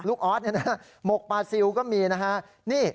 ลุคอ๊อสเนี้ยนะหมกปลาซิวก็มีนะฮะนี่